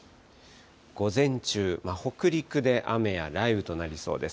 午前中、北陸で雨や雷雨となりそうです。